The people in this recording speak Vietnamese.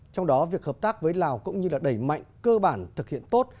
trong đó việc hợp tác với lào cũng như đẩy mạnh cơ bản thực hiện tốt